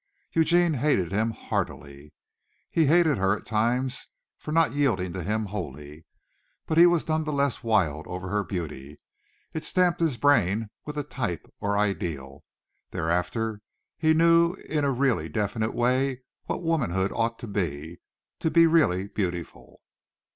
Eugene hated him heartily; he hated her at times for not yielding to him wholly; but he was none the less wild over her beauty. It stamped his brain with a type or ideal. Thereafter he knew in a really definite way what womanhood ought to be, to be really beautiful.